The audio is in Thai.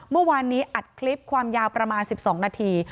เมื่อวานนี้อัดคลิปความยาวประมาณ๑๒นาที